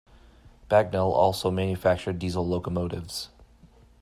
Bagnall also manufactured diesel locomotives.